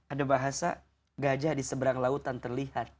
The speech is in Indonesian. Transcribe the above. ada bahasa gajah di seberang lautan terlihat